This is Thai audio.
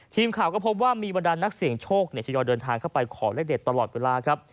ทีมข่าวก็พบว่ามีบรรดานนักเสี่ยงโชคทยอยเดินทางเข้าไปขอเลขเด็ดตลอดเวลาครับ